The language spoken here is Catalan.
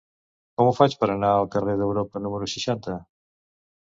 Com ho faig per anar al carrer d'Europa número seixanta?